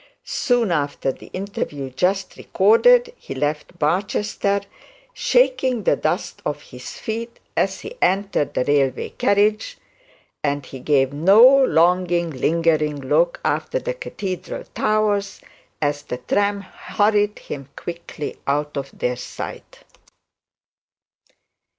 Soon after the interview just recorded, he left Barchester, shaking the dust off his feet as he entered the railway carriage; and he gave no longing lingering look after the cathedral towers, as the train hurried him quickly out of their sight.